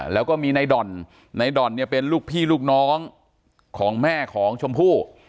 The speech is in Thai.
แล้วก็มีในด่อนในด่อนเนี่ยเป็นลูกพี่ลูกน้องของแม่ของชมพู่